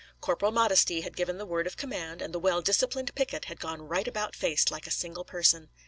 Corporal Modesty had given the word of command, and the well disciplined picket had gone right about face like a single person.